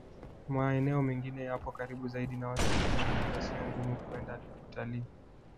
Maeneo mengine yapo karibu zaidi na watu wengi hivyo sio ngumu kwenda kutalii